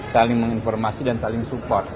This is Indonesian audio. saling menginformasi dan saling support